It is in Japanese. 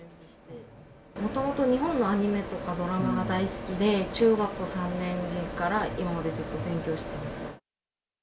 もともと日本のアニメとか、ドラマが大好きで、中学３年から今までずっと勉強しています。